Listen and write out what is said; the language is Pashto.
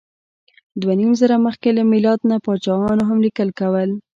د دوهنیمزره مخکې له میلاد نه پاچاهانو هم لیکل کول.